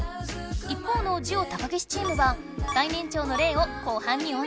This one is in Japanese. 一方のジオ高岸チームは最年長のレイを後半に温存。